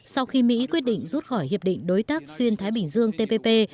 sau khi mỹ quyết định rút khỏi hiệp định đối tác xuyên thái bình dương tpp